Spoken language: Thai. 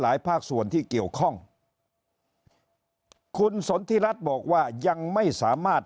ภาคส่วนที่เกี่ยวข้องคุณสนทิรัฐบอกว่ายังไม่สามารถ